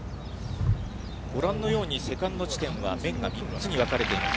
ご覧のように、セカンド地点は面が３つに分かれています。